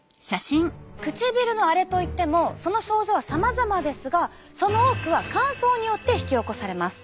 唇の荒れといってもその症状はさまざまですがその多くは乾燥によって引き起こされます。